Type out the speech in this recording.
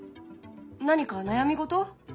何か悩み事？